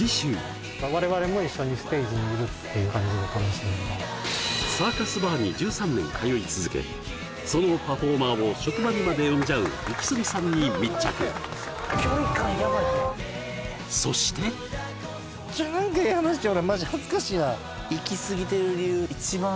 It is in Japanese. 次週サーカスバーに１３年通い続けそのパフォーマーを職場にまで呼んじゃうイキスギさんに密着そしてなぜイキスギるのか？